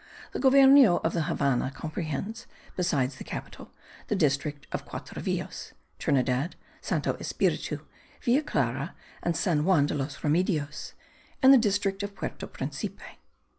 The govierno of the Havannah comprehends, besides the capital, the district of the Quatro Villas (Trinidad, Santo Espiritu, Villa Clara and San Juan de los Remedios) and the district of Puerto Principe.